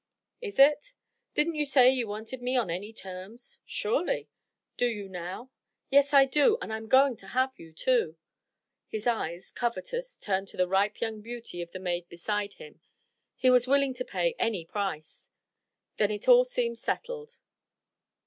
"Is it?" "Didn't you say you wanted me on any terms?" "Surely!" "Don't you now?" "Yes, I do, and I'm going to have you, too!" His eye, covetous, turned to the ripe young beauty of the maid beside him. He was willing to pay any price. "Then it all seems settled."